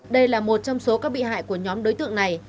đây là một trong số các bị hại của nhóm đối tượng này